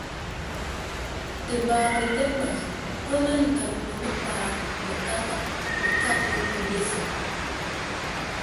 Tə mbaa pəngə́mnaa pə́ mə́ ndə̂ʼ no məpaa məkár mi káa pə́ ndʉ̂ yé se.